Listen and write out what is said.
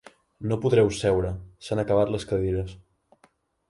No podreu seure: s'han acabat les cadires.